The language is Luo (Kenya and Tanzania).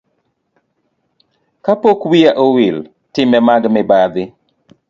Ka pok wiya owil, timbe mag mibadhi